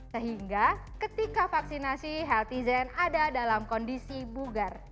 sehingga ketika vaksinasi healthy zen ada dalam kondisi bugar